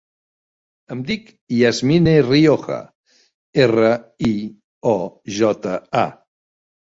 Em dic Yasmine Rioja: erra, i, o, jota, a.